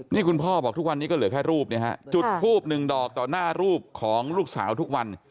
นี่คุณพ่อบอกทุกวันนี้ก็เหลือแค่รูปเนี่ยฮะจุดทูบหนึ่งดอกต่อหน้ารูปของลูกสาวทุกวัน